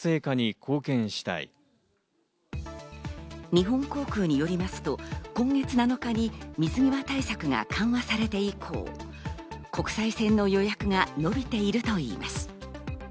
日本航空によりますと、今月７日に水際対策が緩和されて以降、国際線の予約が伸びているといいます。